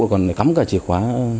còn cắm cả chìa khóa